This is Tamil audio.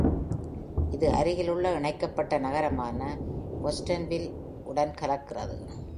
இது அருகிலுள்ள இணைக்கப்பட்ட நகரமான Watsonville-உடன் கலக்கிறது.